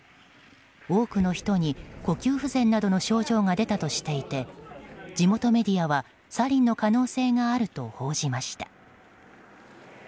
多くの人に呼吸不全などの症状が出たとしていて地元メディアはサリンの可能性があると報じました。